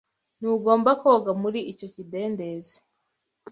Ntugomba koga muri icyo kidendezi.